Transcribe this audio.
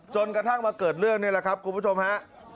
จนกระทั่งมาเกิดเรื่องนี่แหละครับคุณผู้ชมฮะ